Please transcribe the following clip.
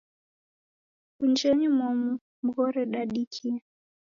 Wunjenyi momu mughore dadikia.